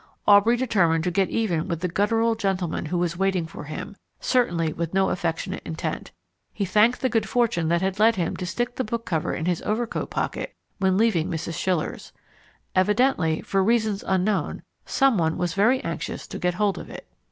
Aubrey determined to get even with the guttural gentleman who was waiting for him, certainly with no affectionate intent. He thanked the good fortune that had led him to stick the book cover in his overcoat pocket when leaving Mrs. Schiller's. Evidently, for reasons unknown, someone was very anxious to get hold of it.